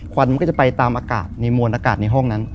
วันมันก็จะไปตามอากาศในมวลอากาศในห้องนั้น